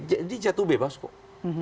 jadi jatuh bebas kok